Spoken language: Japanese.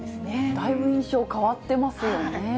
だいぶ印象、変わってますよね。